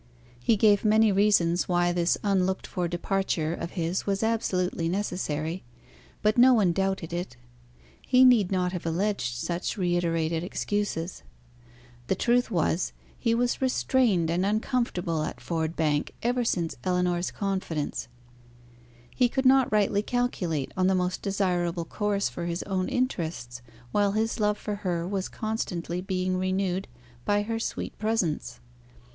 He gave many reasons why this unlooked for departure of his was absolutely necessary; but no one doubted it. He need not have alleged such reiterated excuses. The truth was, he was restrained and uncomfortable at Ford Bank ever since Ellinor's confidence. He could not rightly calculate on the most desirable course for his own interests, while his love for her was constantly being renewed by her sweet presence.